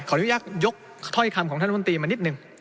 อนุญาตยกถ้อยคำของท่านรัฐมนตรีมานิดนึง